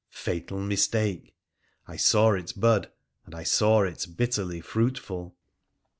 Fatal mistake ! I saw it bud, and I saw it bitterly fruitful